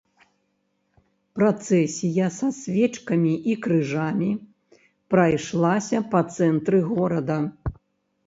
Працэсія са свечкамі і крыжам прайшлася па цэнтры горада.